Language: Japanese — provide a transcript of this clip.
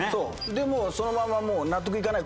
でもうそのまま「納得いかない。